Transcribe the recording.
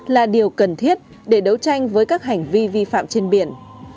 là điều cần thiết để đấu tranh với các hành vi vi phạm trên biển